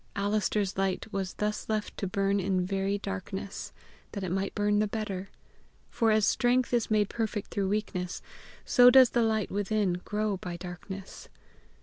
Alister's light was thus left to burn in very darkness, that it might burn the better; for as strength is made perfect through weakness, so does the light, within grow by darkness.